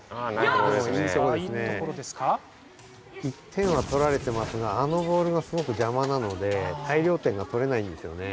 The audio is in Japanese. １点は取られてますがあのボールがすごくじゃまなのでたいりょう点が取れないんですよね。